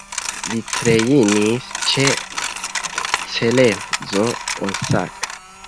Li trejnis ĉe Cerezo Osaka.